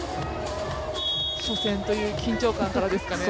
初戦という緊張感からですかね。